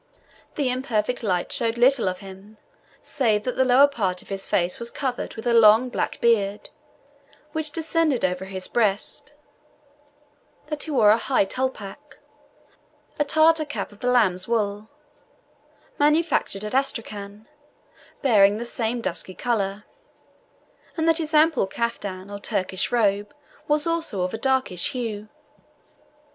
The imperfect light showed little of him, save that the lower part of his face was covered with a long, black beard, which descended over his breast; that he wore a high TOLPACH, a Tartar cap of the lamb's wool manufactured at Astracan, bearing the same dusky colour; and that his ample caftan, or Turkish robe, was also of a dark hue.